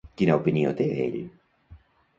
Quina opinió té, ell?